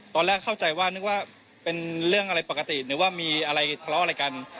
ตอนแรกเข้าใจว่านึกว่าเป็นเรื่องอะไรปกติหรือว่ามีอะไรทะเลาะอะไรกัน